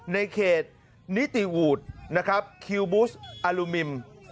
ในเขตนิติวูดคิวบุสอลูมิม